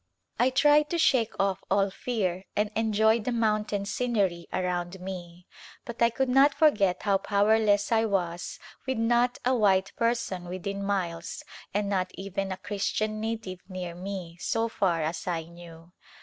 I tried to shake off all fear and enjoy the mountain scenery around me but I could not forget how power less I was with not a white person within miles and not even a Christian native near me so far as I knew.